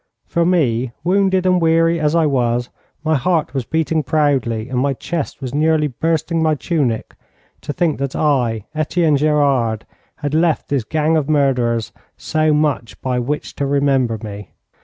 For me, wounded and weary as I was, my heart was beating proudly, and my chest was nearly bursting my tunic to think that I, Etienne Gerard, had left this gang of murderers so much by which to remember me.